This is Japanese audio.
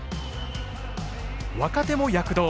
若手も躍動。